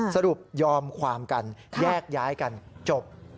ยอมความกันแยกย้ายกันจบ